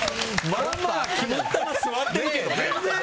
まあまあ肝っ玉座ってるけどね。